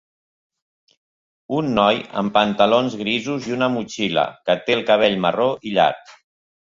Un noi amb pantalons grisos i una motxilla que té el cabell marró i llarg.